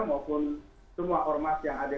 maupun semua ormas yang ada di kuwait